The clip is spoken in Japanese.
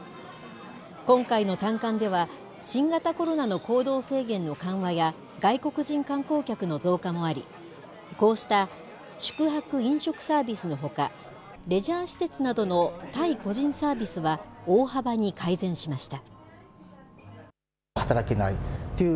今回の短観では、新型コロナの行動制限の緩和や外国人観光客の増加もあり、こうした宿泊・飲食サービスのほか、レジャー施設などの対個人サービスは、大幅に改善しました。